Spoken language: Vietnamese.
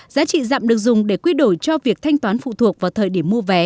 giá trị dặm được dùng để quy đổi cho việc thanh toán phụ thuộc vào thời điểm mua vé